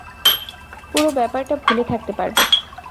পুরো ব্যাপারটা ভুলে থাকতে পারবে।